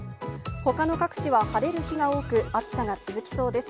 ほかの各地は晴れる日が多く、暑さが続きそうです。